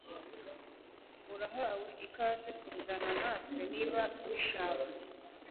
Urahawe ikaze kuzana natwe niba ubishaka